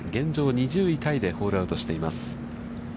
２０位タイでホールアウトしています。